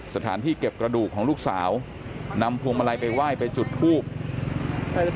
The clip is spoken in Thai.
สถานที่เก็บกระดูกของลูกสาวนำพวงมาลัยไปไหว้ไปจุดทูบ